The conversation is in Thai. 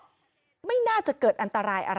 มีเรื่องอะไรมาคุยกันรับได้ทุกอย่าง